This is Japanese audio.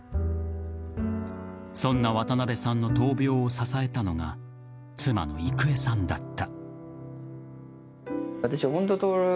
そんな渡辺さんの闘病を支えたのが妻の郁恵さんだった。